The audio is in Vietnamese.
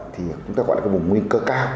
thì chúng ta gọi là cái vùng nguy cơ cao